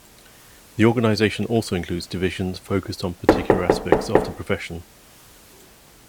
The organization also includes divisions focused on particular aspects of the profession.